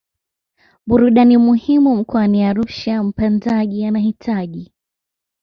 burudani muhimu mkoani Arusha Mpandaji anahitaji